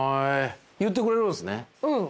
言ってくれるんすね。